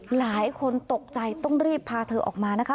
หลายคนตกใจต้องรีบพาเธอออกมานะคะ